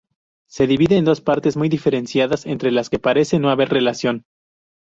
Se divide en dos partes muy diferenciadas entre las que parece no haber relación.